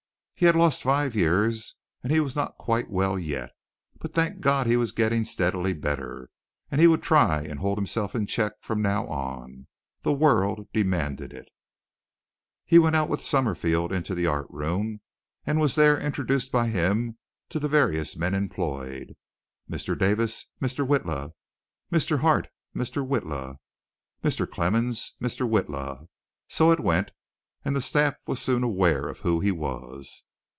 He had lost five years and he was not quite well yet, but thank God he was getting steadily better, and he would try and hold himself in check from now on. The world demanded it. He went out with Summerfield into the art room and was there introduced by him to the various men employed. "Mr. Davis, Mr. Witla; Mr. Hart, Mr. Witla; Mr. Clemens, Mr. Witla," so it went, and the staff was soon aware of who he was.